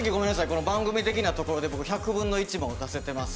この番組的なところで僕１００分の１も出せてません。